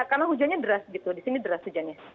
karena hujannya deras gitu di sini deras hujannya